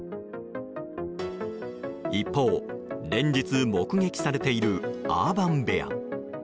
一方、連日目撃されているアーバン・ベア。